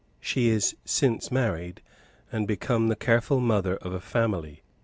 She is since married, and become the careful mother of a family.